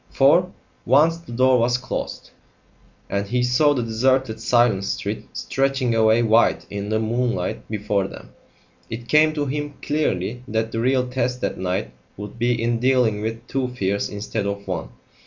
For, once the door was closed, and he saw the deserted silent street stretching away white in the moonlight before them, it came to him clearly that the real test that night would be in dealing with two fears instead of one.